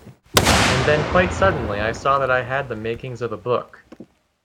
And then, quite suddenly, I saw that I had the makings of a book.